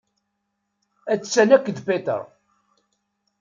Attan akked Peter.